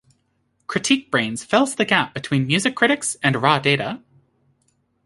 CritiqueBrainz fills the gap between music critics and raw data.